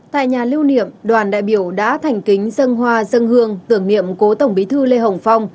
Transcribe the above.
tại nhà lưu niệm đoàn đại biểu đã thành kính dân hoa dân hương tưởng niệm cố tổng bí thư lê hồng phong